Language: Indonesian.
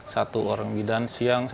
satu orang bidan siang satu orang tidur